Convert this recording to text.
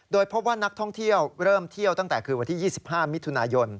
โดยพบว่านักท่องเที่ยวเริ่มเที่ยวตั้งแต่คืนวันที่๒๕มิถุนายน